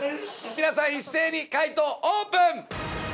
皆さん一斉に解答オープン！